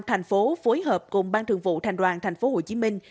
thành phố phối hợp cùng ban thường vụ thành đoàn thành phố hồ chí minh